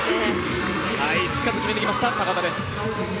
しっかり決めてきた高田です。